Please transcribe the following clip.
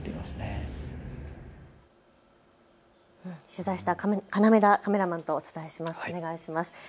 取材した要田カメラマンとお伝えします。